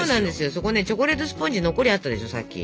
そこねチョコレートスポンジ残りあったでしょさっき。